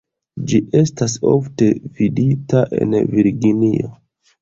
Ĝi estas ofte vidita en Virginio.